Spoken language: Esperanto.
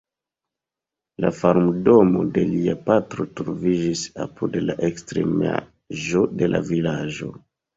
La farmdomo de lia patro troviĝis apud la ekstremaĵo de la vilaĝo.